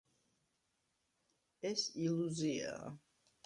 ეს ილუზიაა